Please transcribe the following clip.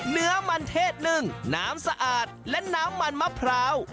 เนื้อมันเทศนึ่งน้ำสะอาดและน้ำมันมะพร้าว